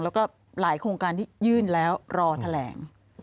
แล้วก็หลายโครงการที่ยื่นแล้วรอแถลง